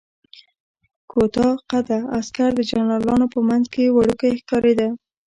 کوتاه قده عسکر د جنرالانو په منځ کې وړوکی ښکارېده.